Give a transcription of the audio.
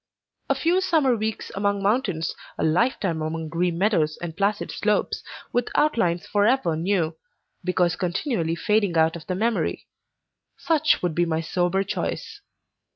A few summer weeks among mountains, a lifetime among green meadows and placid slopes, with outlines forever new, because continually fading out of the memory such would be my sober choice.